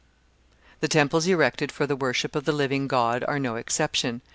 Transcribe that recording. The temples erected for the worship of the living God are no exception.